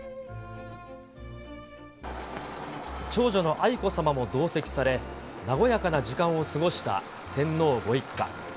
長女の愛子さまも同席され、和やかな時間を過ごした天皇ご一家。